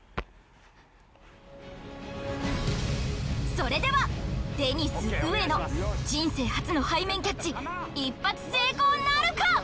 それではデニス植野人生初の背面キャッチ一発成功なるか！？